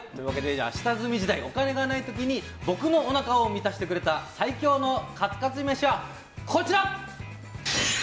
下積み時代、お金がない時に僕のおなかを満たしてくれた最強のカツカツ飯は、こちら！